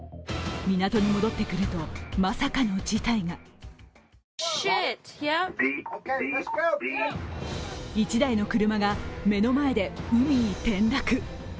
港に戻ってくると、まさかの事態が１台の車が、目の前で海に転落。